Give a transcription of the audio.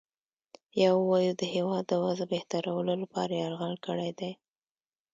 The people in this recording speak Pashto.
یا ووایو د هیواد د وضع بهترولو لپاره یرغل کړی دی.